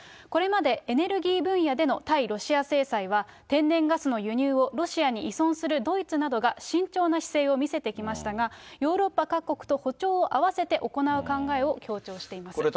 これまでエネルギー分野での対ロシア制裁は、天然ガスの輸入をロシアに依存するドイツなどが慎重な姿勢を見せてきましたが、ヨーロッパ各国と歩調を合わせて行う考えを強調しています。